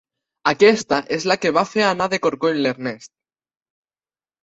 Aquesta és la que va fer anar de corcoll l'Ernest.